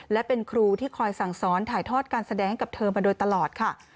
และเป็นครูที่คอยสั่งสอนถ่ายทอดการแสดงให้กับเธอมาโดยตลอดค่ะ